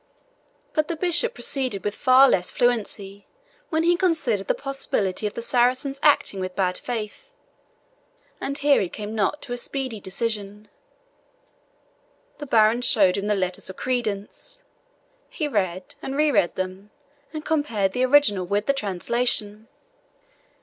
But the bishop proceeded with far less fluency when he considered the possibility of the Saracen's acting with bad faith; and here he came not to a speedy decision. The baron showed him the letters of credence. He read and re read them, and compared the original with the translation.